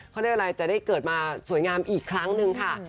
เขาเรียกอะไรจะได้เกิดมาสวยงามอีกครั้งหนึ่งค่ะ